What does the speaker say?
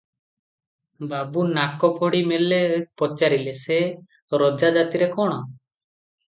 ବାବୁ ନାକଫୋଡି ମଲ୍ଲେ ପଚାରିଲେ-ସେ ରଜା ଜାତିରେ କଣ?